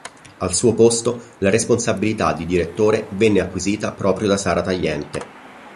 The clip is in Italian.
Al suo posto la responsabilità di direttore viene acquisita proprio da Sara Tagliente.